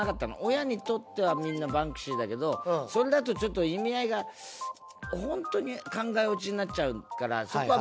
親にとってはみんなバンクシーだけどそれだとちょっと意味合いが本当に考えオチになっちゃうからそこは迷ったんですよね。